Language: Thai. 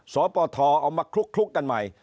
สปทเอามาคลุกกันใหม่